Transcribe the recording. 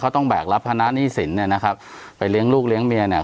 เขาต้องแบกรับภาระหนี้สินเนี่ยนะครับไปเลี้ยงลูกเลี้ยงเมียเนี่ย